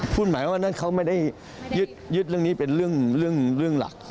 หมายว่านั้นเขาไม่ได้ยึดเรื่องนี้เป็นเรื่องหลัก